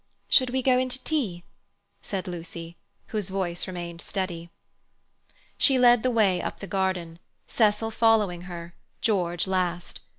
"Should we go in to tea?" said Lucy, whose voice remained steady. She led the way up the garden, Cecil following her, George last.